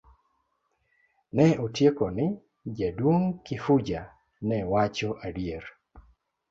Ne otieko ni jaduong' Kifuja ne wacho adier.